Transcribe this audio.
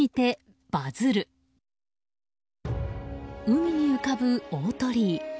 海に浮かぶ大鳥居。